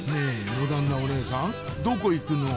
モダンなお姉さんどこ行くの？